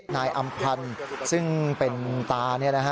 นายอำพันธ์ซึ่งเป็นตา